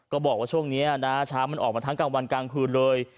บอกว่าช่วงนี้นะเช้ามันออกมาทั้งกลางวันกลางคืนเลย